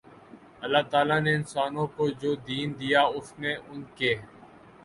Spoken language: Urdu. اللہ تعالی نے انسانوں کو جو دین دیا اس میں ان کے